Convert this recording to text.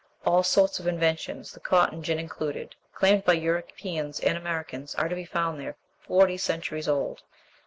All sorts of inventions, the cotton gin included, claimed by Europeans and Americans, are to be found there forty centuries old.